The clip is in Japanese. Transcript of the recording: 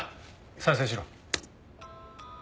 再生しろ。